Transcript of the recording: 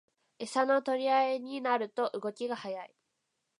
エサの取り合いになると動きが速い